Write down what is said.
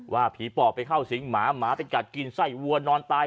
ว่าผีปอบไปเข้าสิงหมาหมาไปกัดกินไส้วัวนอนตาย